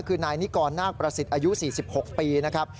คือนายนิกรนาคประสิทธิ์อายุ๔๖ปีนะครับ